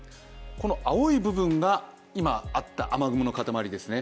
この青い部分が今あった雨雲の塊ですね。